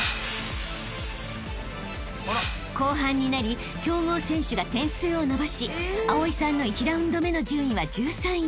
［後半になり強豪選手が点数を伸ばし蒼さんの１ラウンド目の順位は１３位］